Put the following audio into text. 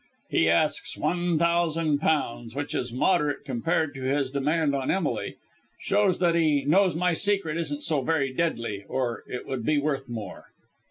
He asks one thousand pounds, which is moderate compared with his demand on Emily. Shows that he knows my secret isn't so very deadly, or it would be worth more."